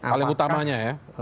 paling utamanya ya